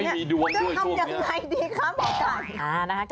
ไม่มีดวงด้วยช่วงนี้ค่ะหมอไก่จะทำอย่างไรดีคะ